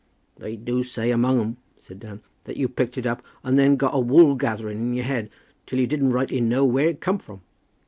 "They do say, among 'em," said Dan, "that you picked it up, and then got a woolgathering in your head till you didn't rightly know where it come from."